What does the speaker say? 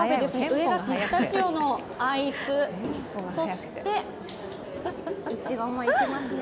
上がピスタチオのアイス、そして、いちごもいきますね。